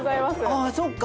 ああそっか。